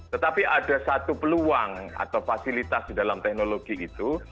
tetapi ada satu peluang atau fasilitas di dalam teknologi itu